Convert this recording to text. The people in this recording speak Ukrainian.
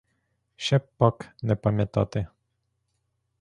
Ще б пак не пам'ятати!